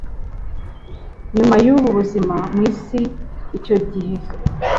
Nyuma yubu buzima Mu isi icyo gihe